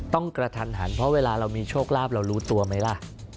กระทันหันเพราะเวลาเรามีโชคลาภเรารู้ตัวไหมล่ะ